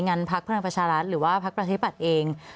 งั้นพระพฤนักประชารัฐหรือว่าพระประชาธิบัติเอง